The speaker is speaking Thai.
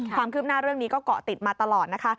ความคืบหน้าเรื่องนี้ก็เกาะติดมาตลอดนะคะ